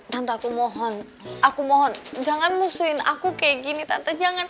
tante aku mohon aku mohon jangan musuhin aku kayak gini tante jangan